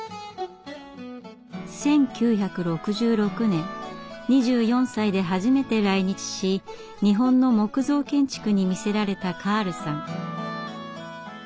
１９６６年２４歳で初めて来日し日本の木造建築に魅せられたカールさん。